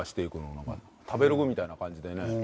なんか食べログみたいな感じでね。